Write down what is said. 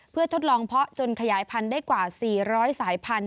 เพื่อทดลองเพาะจนขยายพันธุ์ได้กว่า๔๐๐สายพันธุ